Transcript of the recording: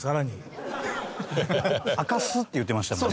「あかす」って言うてましたもんね。